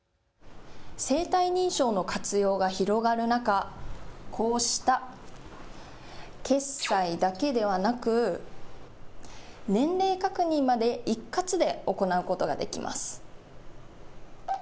生体認証の活用が広がる中、こうした決済だけではなく年齢確認まで一括で行うことができます。